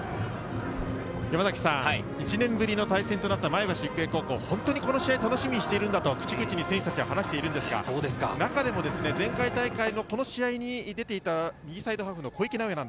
１年ぶりの対戦となった前橋育英高校、ホントにこの試合楽しみにしているんだと口々に選手達が話しているんですが、中でも前回大会のこの試合に出ていた右サイドハーフの小池直矢。